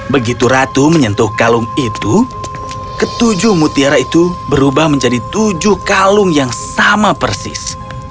begitu ratu menyentuh kalung itu ketujuh mutiara itu berubah menjadi tujuh kalung yang sama persis